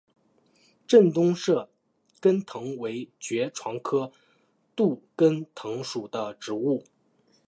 滇东杜根藤为爵床科杜根藤属的植物。